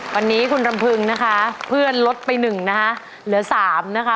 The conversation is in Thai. วันนี้คุณรำพึงนะคะเพื่อนลดไปหนึ่งนะคะเหลือสามนะคะ